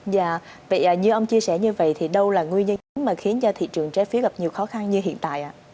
dạ vậy như ông chia sẻ như vậy thì đâu là nguyên nhân chính mà khiến cho thị trường trái phiếu gặp nhiều khó khăn như hiện tại ạ